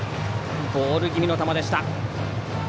ボール気味の球でした。